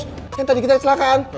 yang tadi kita kecelakaan